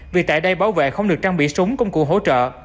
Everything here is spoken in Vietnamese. vì tại đây bảo vệ không được trang bị súng công cụ hỗ trợ